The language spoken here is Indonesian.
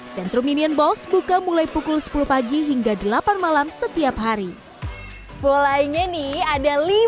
centrum minion bos buka mulai pukul sepuluh pagi hingga delapan malam setiap hari mulainya nih ada